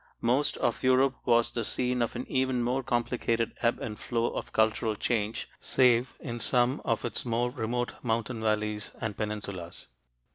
Most of Europe was the scene of an even more complicated ebb and flow of cultural change, save in some of its more remote mountain valleys and peninsulas.